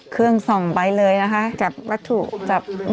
เครื่องส่องไปเลยนะคะจับวัตถุจับ